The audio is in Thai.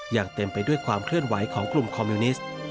อย่างเต็มไปด้วยความเคลื่อนไหวของกลุ่มคอมมิวนิสต์